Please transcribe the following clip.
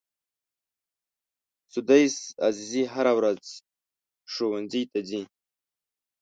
سُدیس عزیزي هره ورځ مکتب ته ځي.